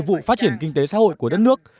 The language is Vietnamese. vụ phát triển kinh tế xã hội của đất nước